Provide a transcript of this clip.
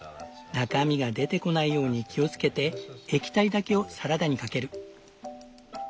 中身が出てこないように気をつけて液体だけをサラダにかける。